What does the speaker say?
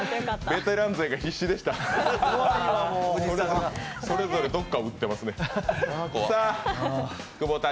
ベテラン勢が必死でしたおじさんがそれぞれ、どこか打ってますね。